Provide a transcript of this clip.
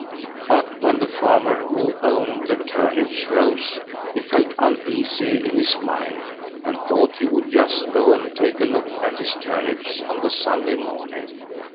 But when the farmer who owned the turnips rose, he felt uneasy in his mind, and thought he would just go and take a look at his turnips on the Sunday morning.